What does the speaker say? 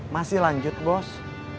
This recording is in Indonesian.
masih lanjut bos